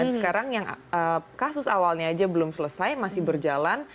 sekarang yang kasus awalnya aja belum selesai masih berjalan